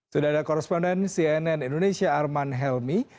sudah ada koresponden cnn indonesia arman helmi